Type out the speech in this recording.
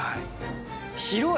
広い。